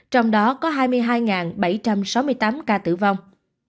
trong đó có hai mươi hai bảy trăm sáu mươi tám ca tử vong